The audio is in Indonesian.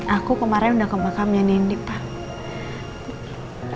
aku kemarin udah ke makamnya nendi pak